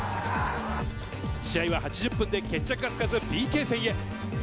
試合は８０分で決着がつかずＰＫ戦へ。